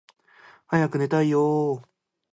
早く寝たいよーー